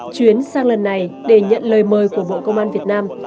chuyến sang lần này để nhận lời mời của bộ công an việt nam